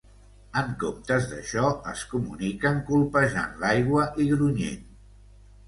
En comptes d'això, es comuniquen colpejant l'aigua i grunyint.